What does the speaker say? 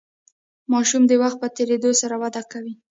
ماشوم د وخت په تیریدو سره وده کوي.